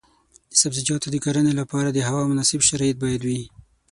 د سبزیجاتو د کرنې لپاره د هوا مناسب شرایط باید وي.